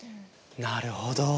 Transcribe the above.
なるほど。